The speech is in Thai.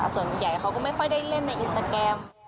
ส่วนใหญ่เขาก็ไม่ค่อยได้เล่นในอินสตาแกรม